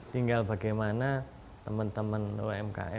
tinggal bagaimana teman teman umkm